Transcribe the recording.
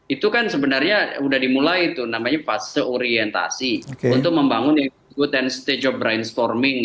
itu kan sebenarnya sudah dimulai tuh namanya fase orientasi untuk membangun stage of brainstorming ya